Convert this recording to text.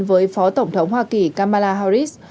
với phó tổng thống hoa kỳ kamala harris